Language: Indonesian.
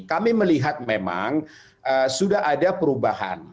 kami melihat memang sudah ada perubahan